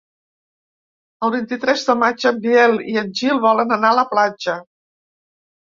El vint-i-tres de maig en Biel i en Gil volen anar a la platja.